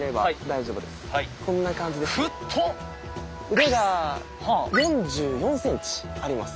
腕が４４ｃｍあります。